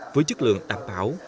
với chất lượng đảm bảo